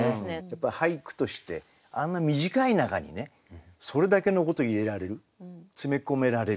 やっぱり俳句としてあんな短い中にねそれだけのこと入れられる詰め込められる。